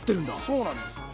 そうなんですよ。